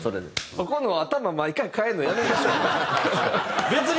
ここの頭毎回変えるのやめましょうよ。